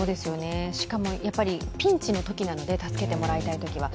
しかもピンチのときなので助けてもらいたいときは。